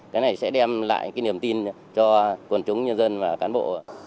cái này sẽ đem lại cái niềm tin cho quần chúng nhân dân và cán bộ